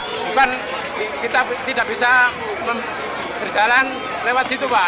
bukan kita tidak bisa berjalan lewat situ pak